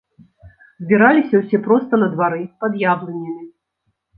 Збіраліся ўсе проста на двары, пад яблынямі.